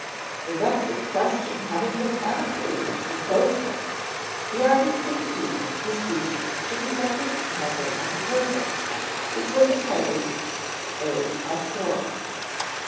The vexed question having been amicably disposed of, the artist of the evening proceeded to the second number on the program, which was entitled "A PASTORAL."